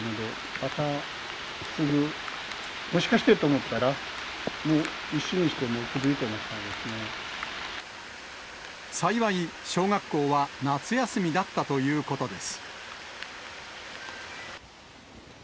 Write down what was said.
朝、すぐ、もしかしてと思ったら、もう一瞬にしてもう崩れてしまっ幸い、小学校は夏休みだったということです。